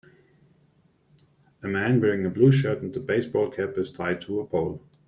A man wearing a blue shirt and baseball cap is tied to a pole